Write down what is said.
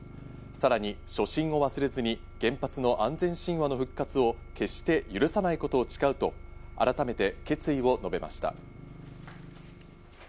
さらに初心忘れずに、原発の安全神話の復活を決して許さないことを誓うと改めて決意を述べました。